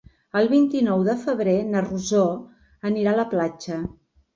El vint-i-nou de febrer na Rosó anirà a la platja.